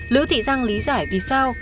lữ thị giang lý giải vì sao